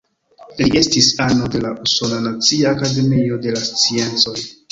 Li estis ano de la Usona nacia Akademio de la Sciencoj.